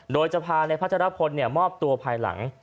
โดยจะพานายพัชรพลมอบตัวภายหลัง